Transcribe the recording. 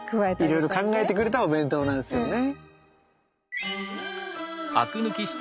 いろいろ考えてくれたお弁当なんですよね。